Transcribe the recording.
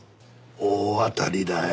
大当たりだよ。